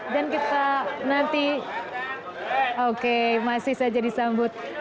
dan kita nanti oke masih saja disambut